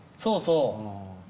そうそう。